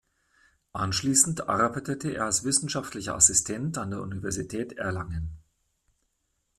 Anschließend arbeitete er als wissenschaftlicher Assistent an der Universität Erlangen.